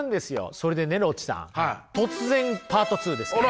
それでねロッチさん突然パート２ですけどね。